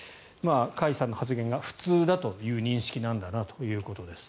甲斐さんの発言が普通だという認識なんだなということです。